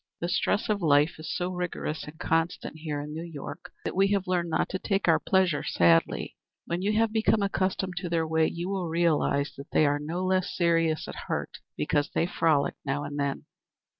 The stress of life is so rigorous and constant here in New York that we have learned not to take our pleasure sadly. When you become accustomed to their way you will realize that they are no less serious at heart because they frolic now and then."